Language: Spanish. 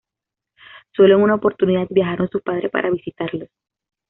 Sólo en una oportunidad viajaron sus padres para visitarlos.